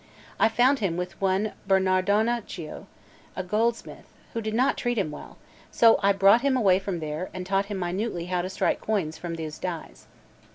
I found him with one Bernardonaccio, a goldsmith, who did not treat him well; so I brought him away from there, and taught him minutely how to strike coins from those dies.